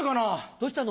どうしたの？